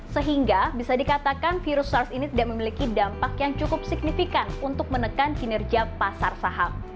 sehingga bisa dikatakan virus sars ini tidak memiliki dampak yang cukup signifikan untuk menekan kinerja pasar saham